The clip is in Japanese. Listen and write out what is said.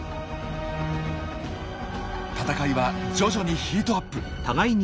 戦いは徐々にヒートアップ。